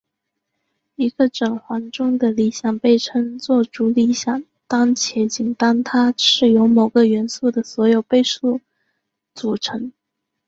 一个整环中的理想被称作主理想当且仅当它是由某个元素的所有倍数组成。